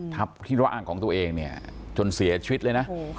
ทับที่ร่างของตัวเองเนี่ยจนเสียชีวิตเลยนะ